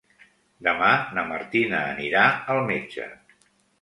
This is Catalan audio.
Demà na Martina anirà al metge.